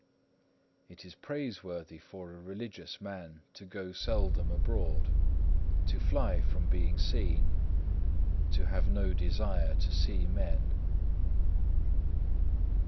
It is praiseworthy for a religious man to go seldom abroad, to fly from being seen, to have no desire to see men.